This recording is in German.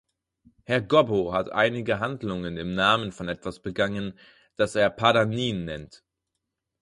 Herr Gobbo hat einige Handlungen im Namen von etwas begangen, das er "Padanien" nennt.